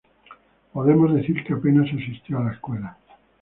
Podemos decir que apenas asistió a la escuela.